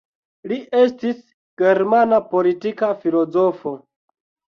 Li estis germana politika filozofo.